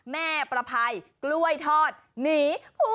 แม่ประภัยกล้วยทอดหนี